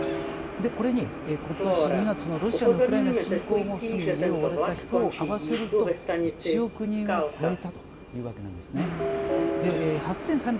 これに、ことし２月のロシアのウクライナ侵攻後住む家を追われた人を合わせると１億人を超えたというわけなんですね。